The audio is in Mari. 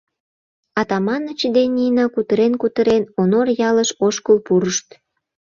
Атаманыч ден Нина кутырен-кутырен Онор ялыш ошкыл пурышт.